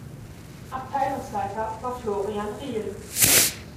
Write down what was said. Abteilungsleiter war Florian Riehl.